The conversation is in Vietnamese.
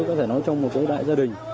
có thể nói trong một cái đại gia đình